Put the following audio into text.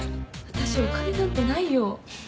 私お金なんてないよ。